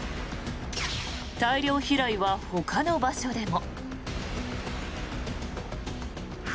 大量飛来は、ほかの場所でも。